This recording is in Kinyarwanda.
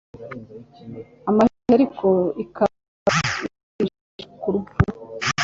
amaherezo ariko ikaba iganisha ku rupfu